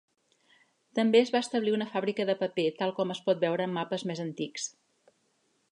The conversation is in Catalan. També es va establir una fàbrica de paper tal com es pot veure en mapes més antics.